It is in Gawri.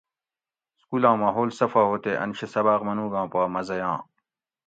سکولاں ماحول صفا ہُو تے ان شی سباۤق منوگاں پا مزہ یاں